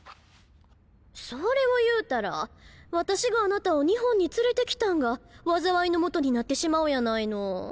それを言うたら私があなたを日本に連れて来たんが災いのもとになってしまうやないの。